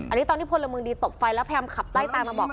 อันนี้ตอนที่พลเมืองดีตบไฟแล้วพยายามขับไล่ตามมาบอก